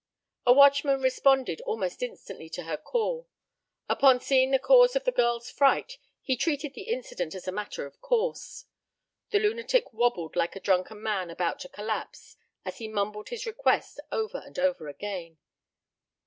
A watchman responded almost instantly to her call. Upon seeing the cause of the girl's fright, he treated the incident as a matter of course. The lunatic wobbled like a drunken man about to collapse, as he mumbled his request over and over again.